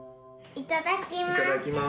いただきます。